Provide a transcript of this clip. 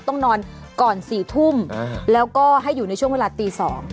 ต้องนอนก่อน๔ทุ่มแล้วก็ให้อยู่ในช่วงเวลาตี๒